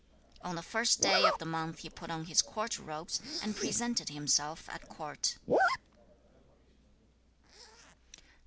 11. On the first day of the month he put on his court robes, and presented himself at court.